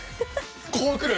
ここ来る？